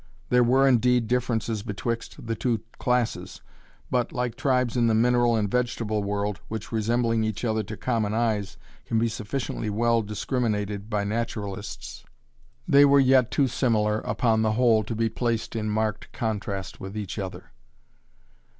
There were, indeed, differences betwixt the two classes, but, like tribes in the mineral and vegetable world, which, resembling each other to common eyes, can be sufficiently well discriminated by naturalists, they were yet too similar, upon the whole, to be placed in marked contrast with each other.